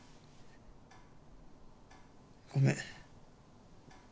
ごめん。